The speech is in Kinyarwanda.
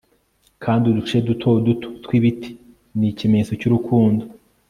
kandi uduce duto duto twibiti nikimenyetso cyurukundo